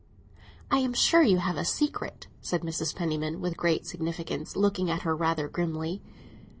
"I am sure you have a secret," said Mrs. Penniman, with great significance, looking at her rather grimly.